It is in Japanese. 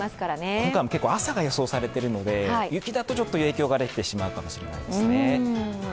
今回も朝が予想されているので雪だとちょっと影響が出てしまうかもしれないですね。